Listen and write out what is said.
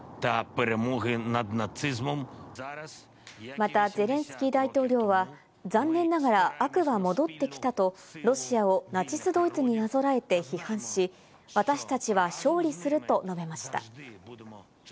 またゼレンスキー大統領は残念ながら悪は戻ってきたとロシアをナチスドイツになぞらえて批判し、私たちは勝利すると述べました。